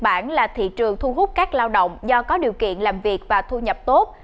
thưa quý vị nhật bản là thị trường thu hút các lao động do có điều kiện làm việc và thu nhập tốt